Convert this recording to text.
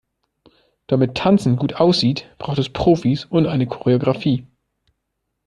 Damit Tanzen gut aussieht, braucht es Profis und eine Choreografie.